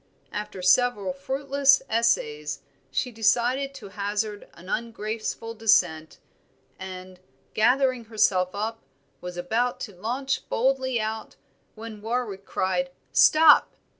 After several fruitless essays she decided to hazard an ungraceful descent; and, gathering herself up, was about to launch boldly out, when Warwick cried, "Stop!"